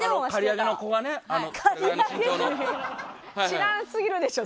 知らんすぎるでしょ！